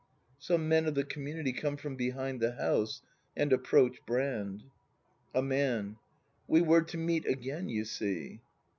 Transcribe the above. [Some men of the community come from behind the house and approach Brand.] A Man. We were to meet again, you see.